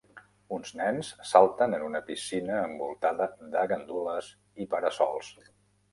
Uns nens salten en una piscina envoltada de gandules i para-sols.